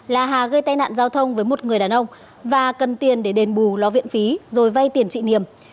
là hà gây tai nạn giao thông với một người đàn ông và cần tiền để đền bù lo viện phí rồi vay tiền chị niềm